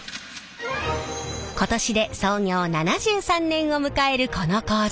今年で創業７３年を迎えるこの工場。